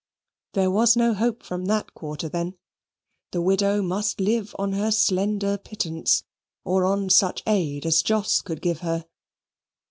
There was no hope from that quarter then. The widow must live on her slender pittance, or on such aid as Jos could give her.